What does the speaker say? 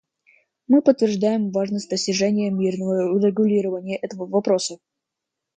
Мы подтверждаем важность достижения мирного урегулирования этого вопроса.